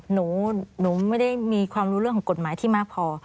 หนูไม่ได้มีความรู้เรื่องของกฎหมายที่มากพอ